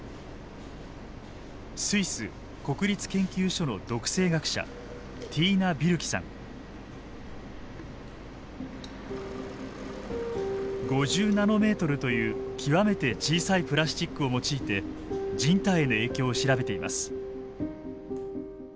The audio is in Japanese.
スイス国立研究所の毒性学者５０ナノメートルという極めて小さいプラスチックを用いて人体への影響を調べています。